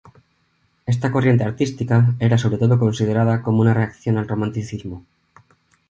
Esta corriente artística era sobre todo considerada como una reacción al romanticismo.